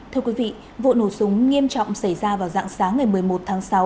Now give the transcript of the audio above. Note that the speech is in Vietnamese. thưa quý vị vụ nổ súng nghiêm trọng xảy ra vào dạng sáng ngày một mươi một tháng sáu